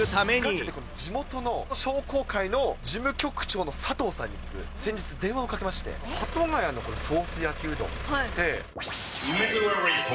ガチで地元の商工会の事務局長の佐藤さんに先日電話をかけまして、鳩ヶ谷のソース焼きうどんって。